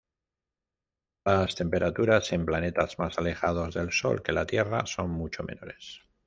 Las temperaturas en planetas más alejados del Sol que la Tierra son mucho menores.